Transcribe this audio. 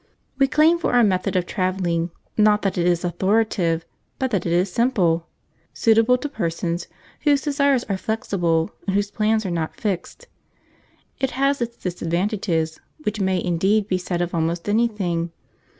We claim for our method of travelling, not that it is authoritative, but that it is simple suitable to persons whose desires are flexible and whose plans are not fixed. It has its disadvantages, which may indeed be said of almost anything.